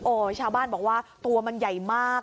โอ้ชาวบ้านบอกมันใหญ่มาก